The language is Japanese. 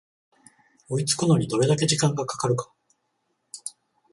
追いつくのにどれだけ時間がかかるか